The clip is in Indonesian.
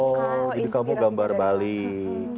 jadi kamu gambar balik